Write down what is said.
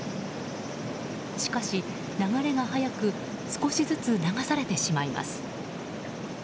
しかし流れが速く少しずつ流されてしまいます。